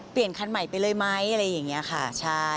คันใหม่ไปเลยไหมอะไรอย่างนี้ค่ะใช่